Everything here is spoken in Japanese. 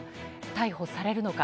逮捕されるのか。